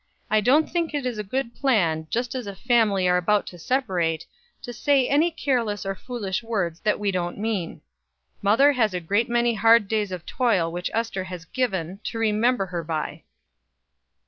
I don't think it is a good plan, just as a family are about to separate, to say any careless or foolish words that we don't mean. Mother has a great many hard days of toil, which Ester has given, to remember her by."